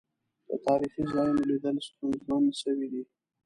د تاريخي ځا يونوليدل ستونزمن سويدی.